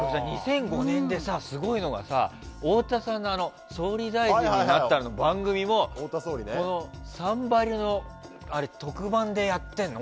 ２００５年で、すごいのが太田さんが総理大臣になった番組もこの「サンバリュ」の特番でやってるの。